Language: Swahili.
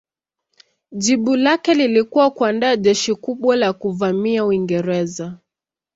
Jibu lake lilikuwa kuandaa jeshi kubwa la kuvamia Uingereza.